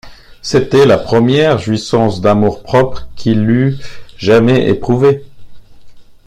C’était la première jouissance d’amour-propre qu’il eût jamais éprouvée.